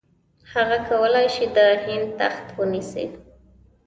هغه کولای شي د هند تخت ونیسي.